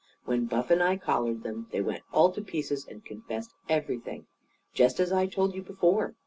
When Buff and I collared them they went all to pieces and confessed everything. Just as I told you, before.